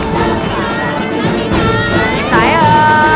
ทีมไหนเออ